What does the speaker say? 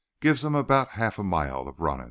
Gives 'em about half a mile of runnin'."